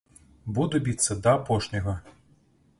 Буду біцца да апошняга!